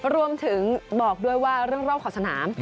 รวมถึงบอกด้วยว่าเรื่องรอบขอบสนาม